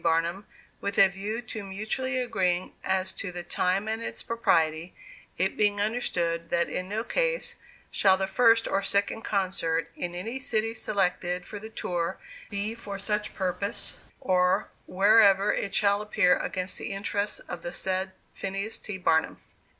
Barnum with a view to mutually agreeing as to the time and its propriety, it being understood that in no case shall the first or second concert in any city selected for the tour be for such purpose, or whereever it shall appear against the interests of the said Phineas T. Barnum.